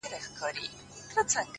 دا موسیقي نه ده جانانه. دا سرگم نه دی.